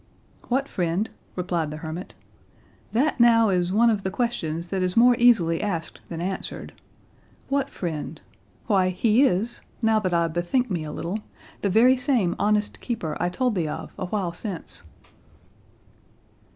"What friend?" replied the hermit; "that, now, is one of the questions that is more easily asked than answered. What friend?—why, he is, now that I bethink me a little, the very same honest keeper I told thee of a while since."